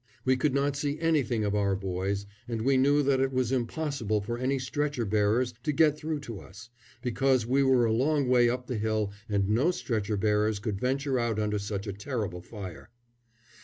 We could not see anything of our boys, and we knew that it was impossible for any stretcher bearers to get through to us, because we were a long way up the hill and no stretcher bearers could venture out under such a terrible fire.